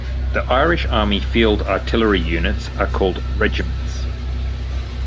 The Irish Army field artillery units are called regiments.